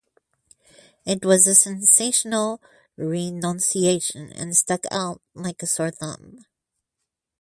It was a sensational renunciation and stuck out like a sore thumb.